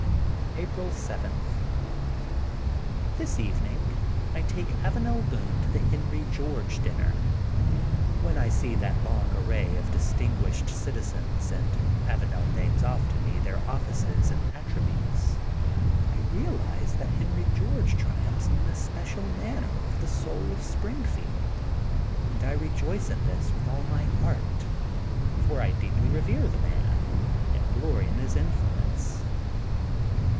April 7: — This evening I take Avanel Boone to the Henry George dinner. When I see that long array of distinguished citizens and Avanel names off to me thfeir offices and attributes, I realize that Henry George tri umphs in an especial manner over the soul of Springfield^ and I rejoice in this with all my / THE GOLDEN BOOK OF SPRINGFIELD 97 hearty for I deeply revere the man and glory in his influence.